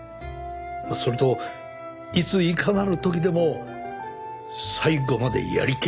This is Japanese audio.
それといついかなる時でも最後までやりきる。